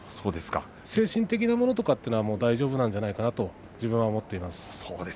精神的なものは大丈夫なんじゃないかなと自分は思っています。